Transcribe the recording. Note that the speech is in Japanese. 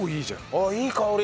あっいい香り。